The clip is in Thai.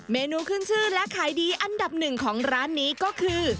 เมนูขึ้นชื่อและขายดีอันดับหนึ่งของร้านนี้ก็คือ